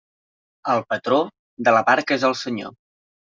El patró, de la barca és el senyor.